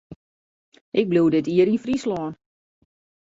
Ik bliuw dit jier yn Fryslân.